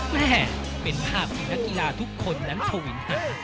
แม่เป็นภาพที่นักกีฬาทุกคนนั้นทวิน